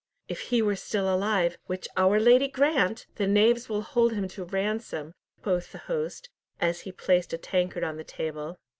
"If he were still alive—which Our Lady grant!—the knaves will hold him to ransom," quoth the host, as he placed a tankard on the table.